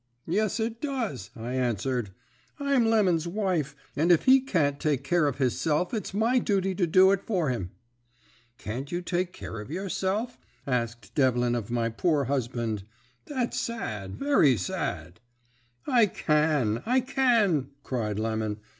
"'Yes, it does,' I answered. 'I'm Lemon's wife, and if he can't take care of hisself it's my duty to do it for him.' "'Can't you take care of yourself?' asked Devlin of my poor husband. 'That's sad, very sad!' "'I can, I can,' cried Lemon.